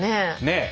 ねえ。